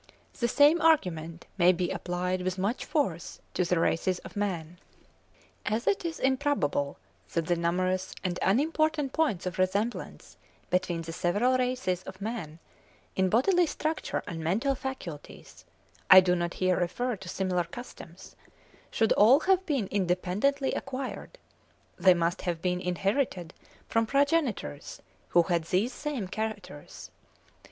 The same argument may be applied with much force to the races of man. As it is improbable that the numerous and unimportant points of resemblance between the several races of man in bodily structure and mental faculties (I do not here refer to similar customs) should all have been independently acquired, they must have been inherited from progenitors who had these same characters.